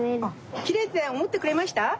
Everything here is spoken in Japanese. きれいっておもってくれました？